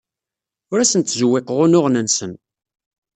Ur asen-ttzewwiqeɣ unuɣen-nsen.